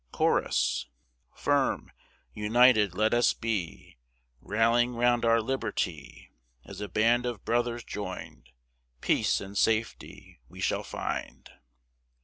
Chorus Firm, united let us be, Rallying round our liberty, As a band of brothers joined, Peace and safety we shall find.